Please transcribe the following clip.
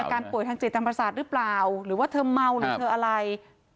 เป็นการป่วยทางเจตนประสาทหรือเปล่าหรือว่าเธอเมาหรือเธออะไร